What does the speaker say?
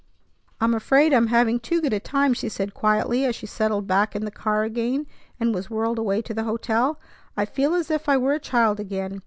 "I'm afraid I'm having too good a time," she said quietly as she settled back in the car again, and was whirled away to the hotel. "I feel as if I were a child again.